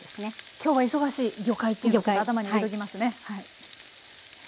今日は忙しい魚介っていうのを頭に入れときますね。